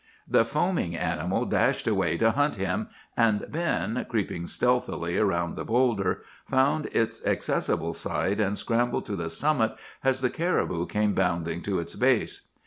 "The foaming animal dashed away to hunt him; and Ben, creeping stealthily around the bowlder, found its accessible side, and scrambled to the summit as the caribou came bounding to its base.